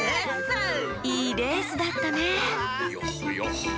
いいレースだったねいやはや。